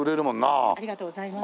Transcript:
ありがとうございます。